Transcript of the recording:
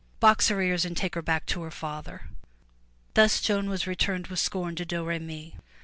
Box her ears and take her back to her father.'' Thus Joan was returned with scorn to Domremy.